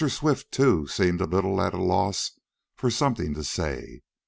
Swift, too, seemed a little at a loss for something to say.